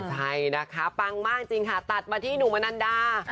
ใช่นะคะปังมากจริงค่ะตัดมาที่หนุ่มมนันดา